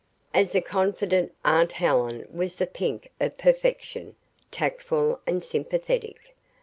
As a confidante aunt Helen was the pink of perfection tactful and sympathetic.